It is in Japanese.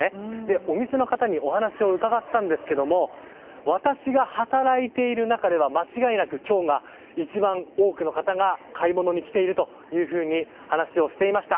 お店の方にお話を伺ったんですけれども私が働いている中では間違いなく今日が一番多くの方が買い物に来ているというふうに話をしていました。